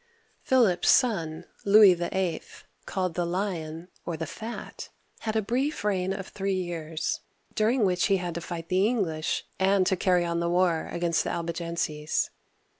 Philip's son, Louis VIIL, called the Lion, or the Fat, had a brief reign of three years, during which he had to fight the English, and to carry on the war against the Albigenses.